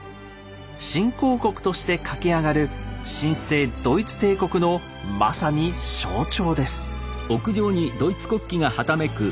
新興国として駆け上がる新生ドイツ帝国のまさに象徴です。